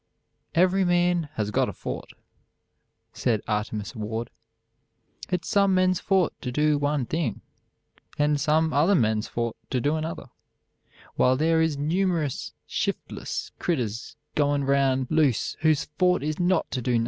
"Every man has got a Fort," said Artemus Ward. "It's some men's fort to do one thing, and some other men's fort to do another, while there is numeris shiftless critters goin' round loose whose fort is not to do nothin'.